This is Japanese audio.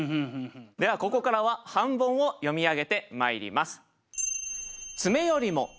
ではここからは半ボンを読み上げてまいります。